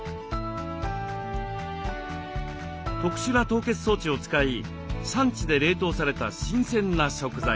特殊な凍結装置を使い産地で冷凍された新鮮な食材です。